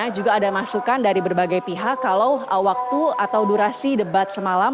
jadi ada masukan dari berbagai pihak kalau waktu atau durasi debat semalam